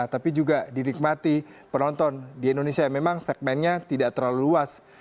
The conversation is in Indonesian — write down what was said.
tapi juga didikmati penonton di indonesia yang memang segmennya tidak terlalu luas